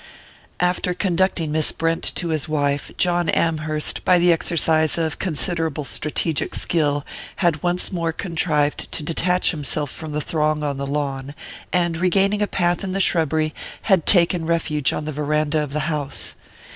XI AFTER conducting Miss Brent to his wife, John Amherst, by the exercise of considerable strategic skill, had once more contrived to detach himself from the throng on the lawn, and, regaining a path in the shrubbery, had taken refuge on the verandah of the house.